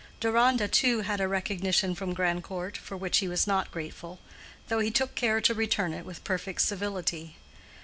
Deronda, too, had a recognition from Grandcourt, for which he was not grateful, though he took care to return it with perfect civility.